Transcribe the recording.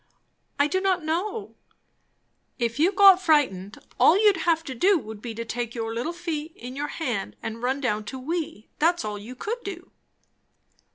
"I do not know " "If you got frightened, all you'd have to do would be to take your little feet in your hand and run down to we; that's all you could do."